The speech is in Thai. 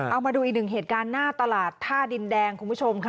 เอามาดูอีกหนึ่งเหตุการณ์หน้าตลาดท่าดินแดงคุณผู้ชมค่ะ